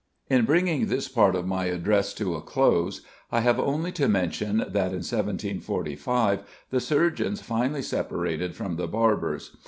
In bringing this part of my address to a close, I have only to mention that in 1745 the surgeons finally separated from the barbers.